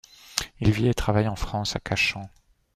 Il vit et travaille en France, à Cachan.